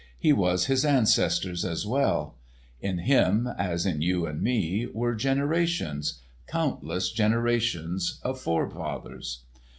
He was his ancestors as well. In him as in you and me, were generations—countless generations—of forefathers.